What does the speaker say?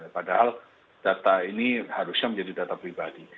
padahal data ini harusnya menjadi data pribadi